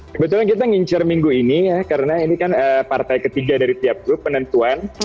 kebetulan kita ngincer minggu ini ya karena ini kan partai ketiga dari tiap grup penentuan